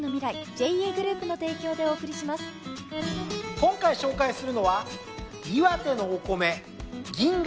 今回紹介するのは岩手のお米。